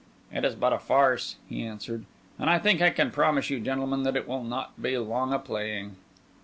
"It is but a farce," he answered; "and I think I can promise you, gentlemen, that it will not be long a playing."